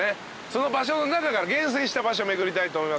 その場所の中から厳選した場所巡りたいと思います。